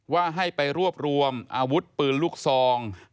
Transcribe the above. ว่าให้ไปรวบรวมอาวุธปืนลูกซอง